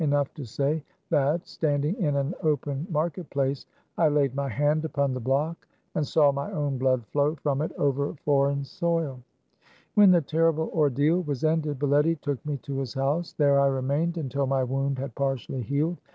Enough to say that, standing in an open market place, I laid my hand upon the block, and saw my own blood flow from it over foreign soil. When the terrible ordeal was ended Baletty took me to his house. There I remained until THE CAB AVAN. 151 my wound had partially healed.